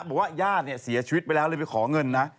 บอกว่าญาติเนี่ยเสียชีวิตไปแล้วเลยไปขอเงินนะ